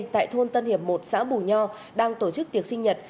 tại thôn tân hiệp một xã bù nho đang tổ chức tiệc sinh nhật